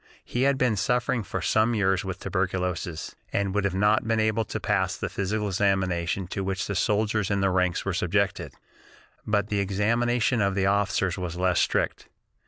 He had been suffering for some years with tuberculosis, and would not have been able to pass the physical examination to which the soldiers in the ranks were subjected, but the examination of the officers was less strict.